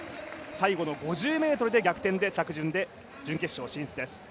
最後の５０ｍで逆転で着順で準決勝進出です。